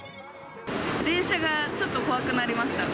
電車がちょっと怖くなりました。